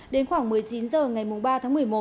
đến khoảng một mươi chín h ngày ba tháng một mươi một